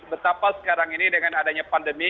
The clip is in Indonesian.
betapa sekarang ini dengan adanya pandemi